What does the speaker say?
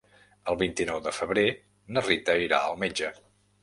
El vint-i-nou de febrer na Rita irà al metge.